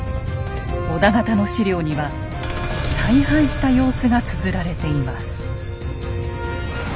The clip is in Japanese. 織田方の史料には大敗した様子がつづられています。